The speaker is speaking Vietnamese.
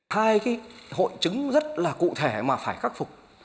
hai cái hội chứng rất là cụ thể mà phải khắc phục